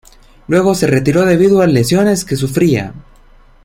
Luego se retiró debido a lesiones que sufría.